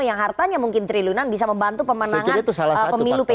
yang hartanya mungkin triliunan bisa membantu pemenangan pemilu p tiga